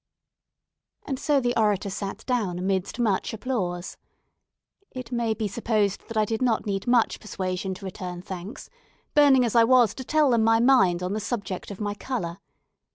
And so the orator sat down amidst much applause. It may be supposed that I did not need much persuasion to return thanks, burning, as I was, to tell them my mind on the subject of my colour.